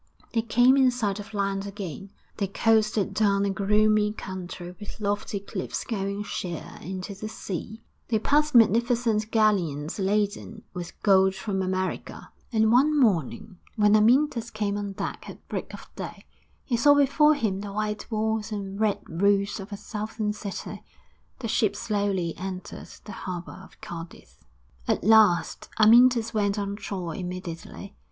They came in sight of land again; they coasted down a gloomy country with lofty cliffs going sheer into the sea; they passed magnificent galleons laden with gold from America; and one morning, when Amyntas came on deck at break of day, he saw before him the white walls and red roofs of a southern city. The ship slowly entered the harbour of Cadiz. VIII At last! Amyntas went on shore immediately.